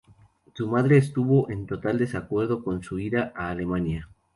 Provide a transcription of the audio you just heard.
Su madre estuvo en total desacuerdo con su ida a Alemania.